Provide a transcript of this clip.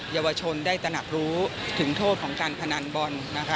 เยาวชุนได้ตนับรู้ถึงโทษของการพนันบอล